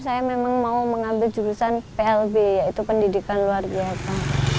saya memang mau mengambil jurusan plb yaitu pendidikan luar biasa